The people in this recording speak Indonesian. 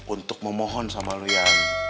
untuk memohon sama lu yan